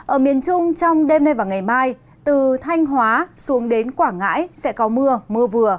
ở miền trung trong đêm nay và ngày mai từ thanh hóa xuống đến quảng ngãi sẽ có mưa mưa vừa